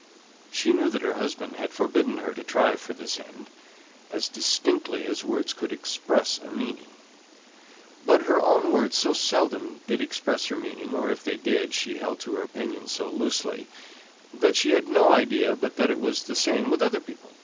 She knew that her husband had forbidden her to try for this end, as distinctly as words could express a meaning; but her own words so seldom expressed her meaning, or if they did, she held to her opinions so loosely, that she had no idea but that it was the same with other people.